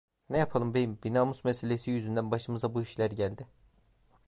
Ne yapalım beyim, bir namus meselesi yüzünden başımıza bu işler geldi.